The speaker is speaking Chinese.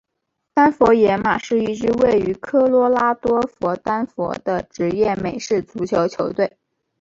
丹佛野马是一支位于科罗拉多州丹佛的职业美式足球球队。